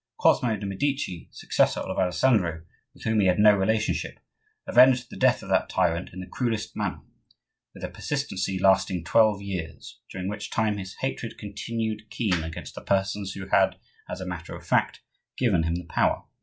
Cosmo de' Medici, successor of Alessandro, with whom he had no relationship, avenged the death of that tyrant in the cruellest manner, with a persistency lasting twelve years; during which time his hatred continued keen against the persons who had, as a matter of fact, given him the power.